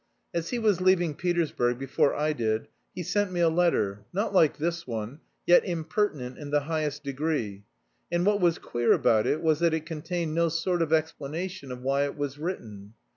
As he was leaving Petersburg before I did, he sent me a letter, not like this one, yet impertinent in the highest degree, and what was queer about it was that it contained no sort of explanation of why it was written.